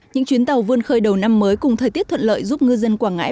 những chuyến tàu vươn khơi đầu năm mới cùng thời tiết thuận lợi giúp ngư dân quảng ngãi